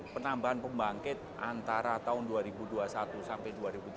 penambahan pembangkit antara tahun dua ribu dua puluh satu sampai dua ribu tujuh belas